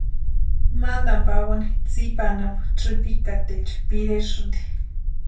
Mantani pawani tsipa anapu tsïpikataecha piresïnti.